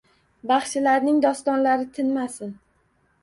Baxshilarning dostonlari tinmasin